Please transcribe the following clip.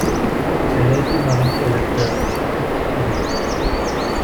Elle a été mariée à l'acteur Tchéky Karyo.